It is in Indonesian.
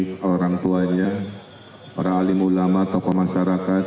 kepada orang tuanya para alim ulama tokoh masyarakat